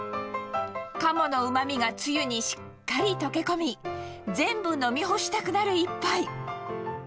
鴨のうまみがつゆにしっかり溶け込み、全部飲み干したくなる一杯。